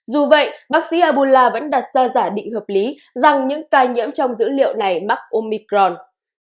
dù vậy bác sĩ abula vẫn đặt ra giả định hợp lý rằng những ca nhiễm trong dữ liệu này mắc omicron